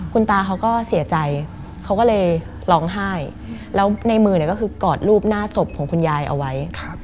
คุณตาเขาก็เสียใจเขาก็เลยร้องไห้แล้วในมือเนี่ยก็คือกอดรูปหน้าศพของคุณยายเอาไว้